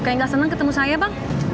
kayak nggak senang ketemu saya bang